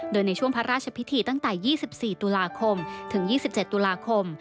โดยในช่วงพระราชพิธีตั้งแต่๒๔ตุลาคมถึง๒๗ตุลาคม